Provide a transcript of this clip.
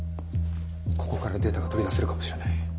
ここからデータが取り出せるかもしれない。